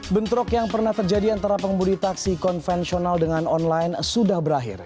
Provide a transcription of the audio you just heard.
bentrok yang pernah terjadi antara pengemudi taksi konvensional dengan online sudah berakhir